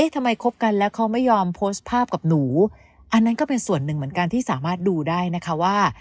คบกันแล้วเขาไม่ยอมโพสต์ภาพกับหนูอันนั้นก็เป็นส่วนหนึ่งเหมือนกันที่สามารถดูได้นะคะว่า